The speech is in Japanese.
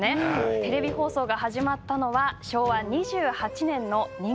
テレビ放送が始まったのは昭和２８年の２月１日。